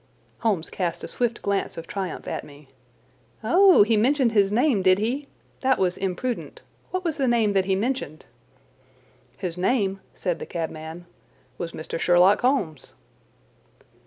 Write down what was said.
Holmes cast a swift glance of triumph at me. "Oh, he mentioned his name, did he? That was imprudent. What was the name that he mentioned?" "His name," said the cabman, "was Mr. Sherlock Holmes."